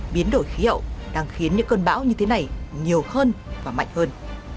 biến đổi khí hậu đang khiến những cơn bão như thế này nhiều hơn và mạnh hơn